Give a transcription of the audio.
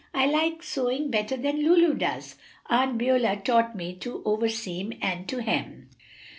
I like sewing better than Lulu does. Aunt Beulah taught me to overseam and to hem."